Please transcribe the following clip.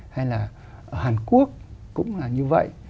hay là ở hàn quốc cũng là như vậy